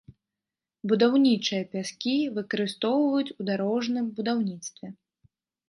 Будаўнічыя пяскі выкарыстоўваюць у дарожным будаўніцтве.